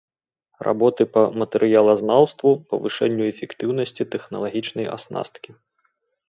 Работы па матэрыялазнаўству, павышэнню эфектыўнасці тэхналагічнай аснасткі.